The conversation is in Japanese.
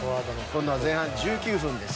今度は前半１９分です。